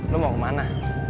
lo mau kemana